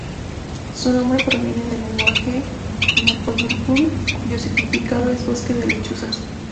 Su nombre proviene del lenguaje mapudungun cuyo significado es "Bosque de lechuzas".